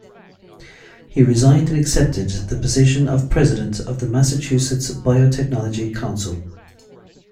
He resigned and accepted the position of President of the Massachusetts Biotechnology Council.